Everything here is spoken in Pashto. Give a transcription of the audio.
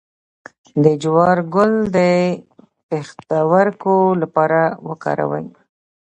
د جوار ګل د پښتورګو لپاره وکاروئ